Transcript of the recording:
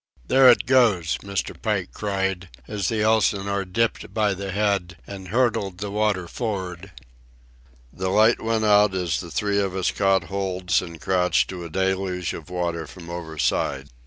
"There it goes!" Mr. Pike cried, as the Elsinore dipped by the head and hurtled the water for'ard. The light went out as the three of us caught holds and crouched to a deluge of water from overside.